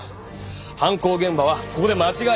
犯行現場はここで間違い。